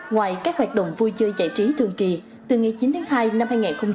ngoài các hoạt động vui chơi giải trí thường kỳ từ ngày chín tháng hai năm hai nghìn hai mươi bốn